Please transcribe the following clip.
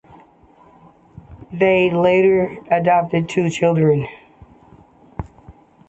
They later adopted two children.